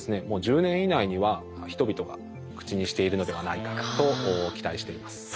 もう１０年以内には人々が口にしているのではないかと期待しています。